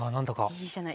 いいじゃない。